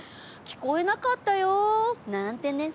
聞こえなかったよ。なんてね。